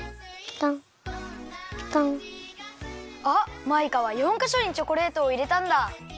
あっマイカは４かしょにチョコレートをいれたんだ。